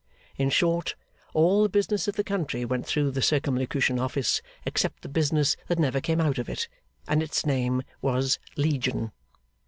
In short, all the business of the country went through the Circumlocution Office, except the business that never came out of it; and its name was Legion.